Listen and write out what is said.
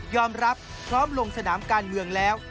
รับพร้อมลงสนามการเมืองแล้ว